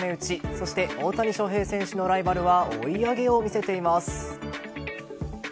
そして大谷翔平選手のライバルは追い上げを見せています。